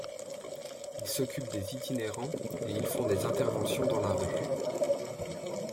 Ils s'occupent des itinérants et ils font des interventions dans la rue.